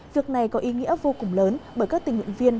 việc này có ý nghĩa vô cùng lớn bởi các tình nguyện viên